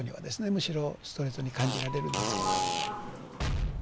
むしろストレートに感じられるんですけれども。